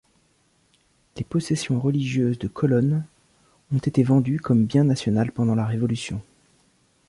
Les possessions religieuses de Colonne ont été vendues comme bien national pendant la Révolution.